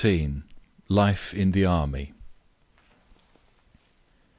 LIFE IN THE ARMY.